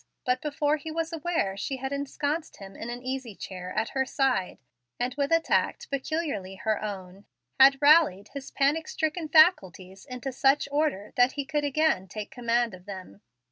But before he was aware she had ensconced him in an easy chair at her side, and with a tact peculiarly her own had rallied his panic stricken faculties into such order that he could again take command of them.